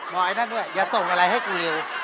น่าจะอย่าส่งอะไรให้ผู้หญิง